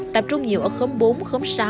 tập trung nhiều ở khống bốn khống sáu